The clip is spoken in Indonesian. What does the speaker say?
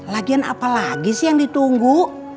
lagian apa lagi sih yang ditunggu